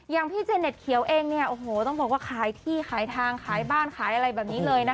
อย่างพี่เจเน็ตเขียวเองเนี่ยโอ้โหต้องบอกว่าขายที่ขายทางขายบ้านขายอะไรแบบนี้เลยนะคะ